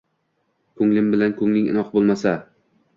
Ko’nglim bilan ko’ngling inoq bo’lmasa!